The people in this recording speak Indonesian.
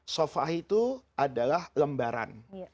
sofah itu adalah lembaran